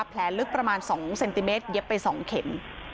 แผลลึกประมาณ๒เซนติเมตรเย็บไป๒เข็ม